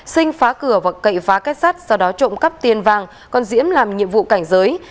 sinh phá cửa và cậy phá kết sắt sau đó trộm cắp tiền vàng còn diễm làm nhiệm vụ cảnh giới